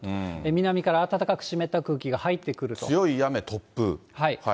南から暖かく湿った空気が入って強い雨、突風。